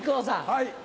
はい。